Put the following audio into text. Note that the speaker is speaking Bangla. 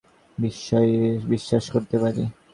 বিশ্বাস করতে পারি।